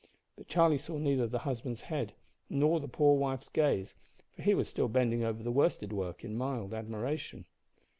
But Charlie saw neither the husband's head nor the poor wife's gaze, for he was still bending over the worsted work in mild admiration.